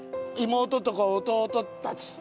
妹と弟たち。